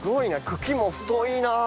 茎も太いなあ。